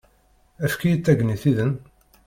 Efk-iyi tagnit-iḍen.